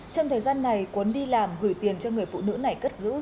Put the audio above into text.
trong thời gian này quấn đi làm gửi tiền cho người phụ nữ này